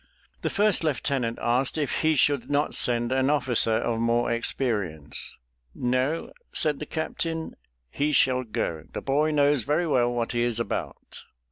The first lieutenant asked if he should not send an officer of more experience. "No," said the captain, "he shall go; the boy knows very well what he is about!"